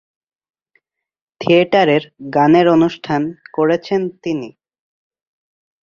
থিয়েটারের গানের অনুষ্ঠান করেছেন তিনি।